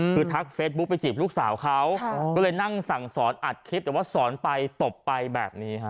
คือทักเฟซบุ๊กไปจีบลูกสาวเขาก็เลยนั่งสั่งสอนอัดคลิปแต่ว่าสอนไปตบไปแบบนี้ฮะ